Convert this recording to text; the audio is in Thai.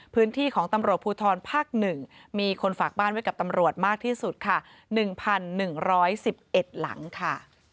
พื้นที่ของตำรวจภูทรภาค๑มีคนฝากบ้านไว้กับตำรวจมากที่สุดค่ะ๑๑๑๑๑หลังค่ะ